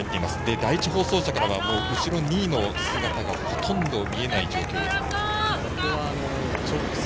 第１放送車からは後ろ、２位の姿がほとんど見えない状況です。